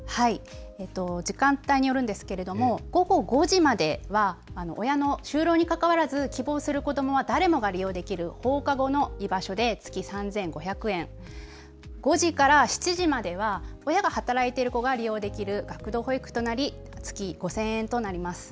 時間帯によるんですけれども午後５時までは親の就労にかかわらず希望する子どもは誰もが利用できる放課後の居場所で月３５００円、５時から７時までは親が働いている子が利用できる学童保育となり月５０００円となります。